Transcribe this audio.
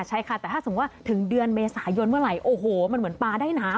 ใช่ค่ะแต่ถ้าสมมุติว่าถึงเดือนเมษายนเมื่อไหร่โอ้โหมันเหมือนปลาได้หนาว